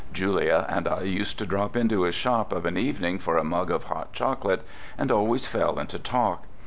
Julia and I used to drop into his shop of an evening for a mug of hot chocolate, and always fell into talk.